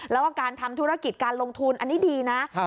แล้วก็การทำธุรกิจการลงทุนอันนี้ดีนะ